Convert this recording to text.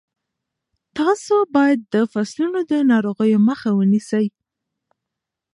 تاسو باید د فصلونو د ناروغیو مخه ونیسئ.